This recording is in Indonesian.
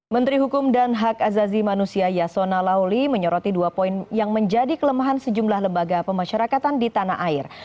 menteri hukum dan hak azazi manusia yasona lauli menyoroti dua poin yang menjadi kelemahan sejumlah lembaga pemasyarakatan di tanah air